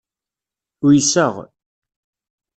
Uyseɣ.